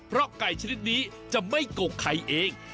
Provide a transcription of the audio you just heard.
เพราะไก่ชนิดนี้จะไม่กกไข่เอง